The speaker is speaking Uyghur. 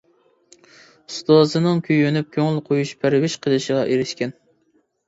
ئۇستازىنىڭ كۆيۈنۈپ، كۆڭۈل قويۇپ پەرۋىش قىلىشىغا ئېرىشكەن.